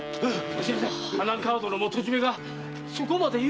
花川戸の元締がそこまで言うんなら。